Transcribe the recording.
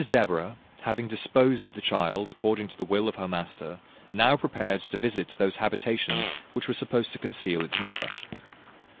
Mrs Deborah, having disposed of the child according to the will of her master, now prepared to visit those habitations which were supposed to conceal its mother.